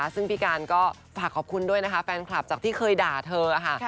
ซึ่งพี่การก็ฝากขอบคุณด้วยนะคะแฟนคลับจากที่เคยด่าเธอค่ะ